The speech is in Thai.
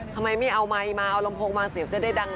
ทำไมไม่เอาไมค์มาเอาลำโพงมาเสียบจะได้ดัง